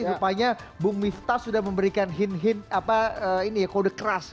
rupanya bung miftas sudah memberikan hint hint kode keras